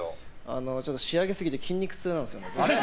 ちょっと仕上げすぎて筋肉痛なんですよね。